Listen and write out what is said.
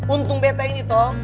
untung betta ini toh